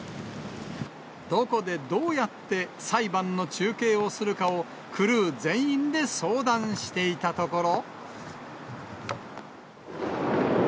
どこでどうやって裁判の中継をするかをクルー全員で相談していたところ。